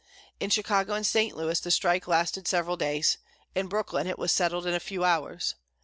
In Chicago and St. Louis, this strike lasted several days; in Brooklyn, it was settled in a few hours.